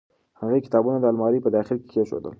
هغې کتابونه د المارۍ په داخل کې کېښودل.